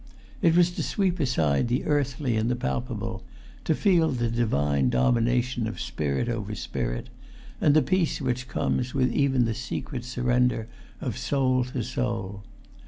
It was to sweep aside the earthly and the palpable, to feel the divine domination of spirit over spirit, and the peace which comes with even the secret surrender of soul to soul.